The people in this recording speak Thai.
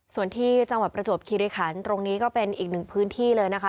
ส่วนที่จังหวัดประจวบคิริคันตรงนี้ก็เป็นอีกหนึ่งพื้นที่เลยนะคะ